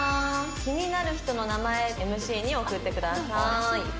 気になる人の名前ＭＣに送ってください」